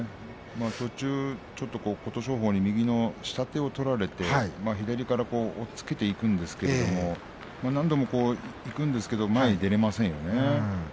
途中、琴勝峰に右の下手を取られて、左から押っつけていきますが何度もいきますが前に出られませんでした。